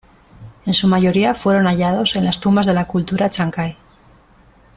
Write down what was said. En su mayoría fueron hallados en las tumbas de la cultura chancay.